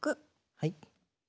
はい。